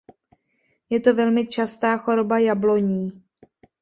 Je to velmi častá choroba jabloní.